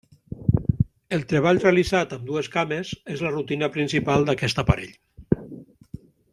El treball realitzat amb dues cames és la rutina principal d'aquest aparell.